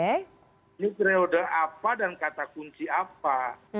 ini periode apa dan kata kunci apa